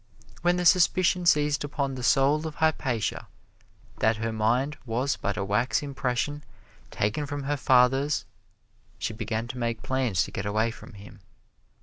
When the suspicion seized upon the soul of Hypatia that her mind was but a wax impression taken from her father's, she began to make plans to get away from him.